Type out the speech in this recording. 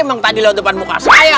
emang tadi lewat depan muka saya